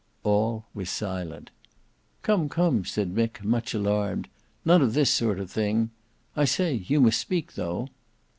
All was silent. "Come, come," said Mick much alarmed; "none of this sort of thing. I say, you must speak though."